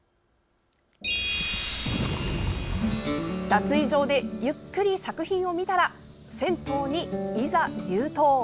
脱衣場でゆっくり作品を見たら銭湯に、いざ入湯。